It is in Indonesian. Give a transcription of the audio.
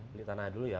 beli tanahnya dulu ya